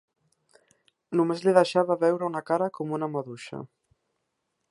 Només li deixava veure una cara com una maduixa